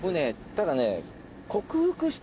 ただね。